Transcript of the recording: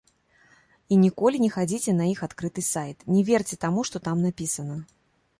І ніколі не хадзіце на іх адкрыты сайт, не верце таму, што там напісана.